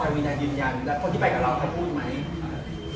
วีนายืนยันแล้วคนที่ไปกับเราเขาพูดไหม